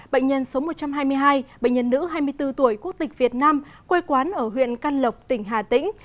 bệnh nhân số một trăm hai mươi hai bệnh nhân nữ hai mươi bốn tuổi quốc tịch việt nam quê quán ở huyện căn lộc tỉnh hà tĩnh